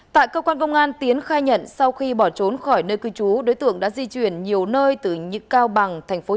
tại cơ quan công an tiến khai nhận sau khi bỏ trốn khỏi nơi cư trú đối tượng đã di chuyển nhiều nơi từ những cao bằng